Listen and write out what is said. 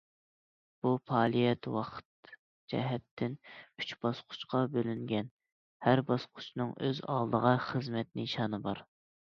بۇ پائالىيەت ۋاقىت جەھەتتىن ئۈچ باسقۇچقا بۆلۈنگەن، ھەر باسقۇچنىڭ ئۆز ئالدىغا خىزمەت نىشانى بار.